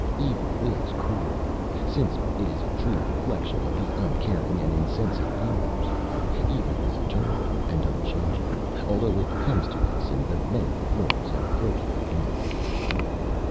Evil is cruel, since it is a true reflection of the uncaring and insensate universe. Evil is eternal and unchanging, although it comes to us in the many forms of protean life."